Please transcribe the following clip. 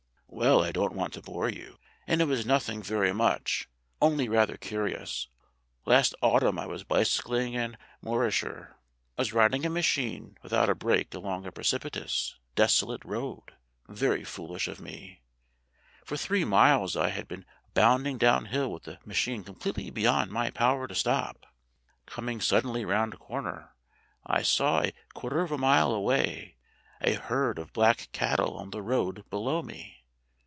"Well, I don't want to bore you, and it was nothing very much only rather curious. Last autumn I was bicycling in Morayshire. I was riding a machine with out a brake along a precipitous, desolate road very foolish of me. For three miles I had been bounding downhill with the machine completely beyond my power to stop. Coming suddenly round a corner, I saw, a quarter of a mile away, a herd of black cattle on the road below me.